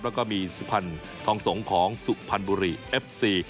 แล้วก็มีสุพรรณทองสงฆ์ของสุพรรณบุรีเอฟซี